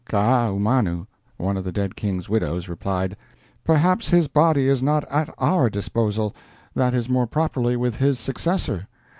Kaahumanu (one of the dead King's widows) replied, 'Perhaps his body is not at our disposal; that is more properly with his successor.